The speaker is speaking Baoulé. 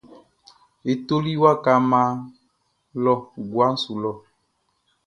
E toli waka mma lɔ guaʼn su lɔ.